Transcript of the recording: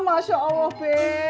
masya allah be